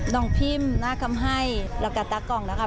น้องพิมพ์นาคัมไฮแล้วก็ตากองนะคะ